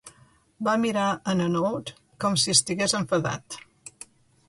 Va mirar en Hanaud com si estigués enfadat.